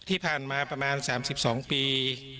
ที่ผ่านมาประมาณ๓๒ปี